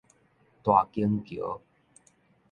大經橋